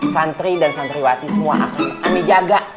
santri dan santriwati semua akan kami jaga